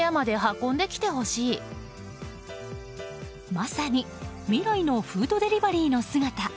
まさに未来のフードデリバリーの姿。